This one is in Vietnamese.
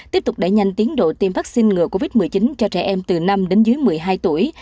tiếp tục đẩy nhanh tiến độ tiêm vaccine ngừa covid một mươi chín cho trẻ em từ năm đến dưới một mươi hai tuổi